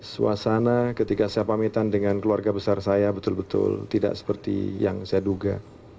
suasana ketika saya pamitan dengan keluarga besar saya betul betul tidak seperti yang saya duga